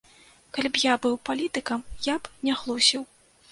Калі б я быў палітыкам, я б не хлусіў.